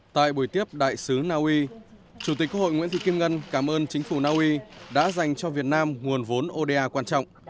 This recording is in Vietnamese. tại buổi tiếp đại sứ naui chủ tịch quốc hội nguyễn thị kim ngân cảm ơn chính phủ naui đã dành cho việt nam nguồn vốn oda quan trọng